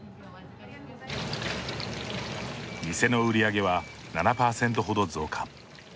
店の売り上げは７％ほど増加。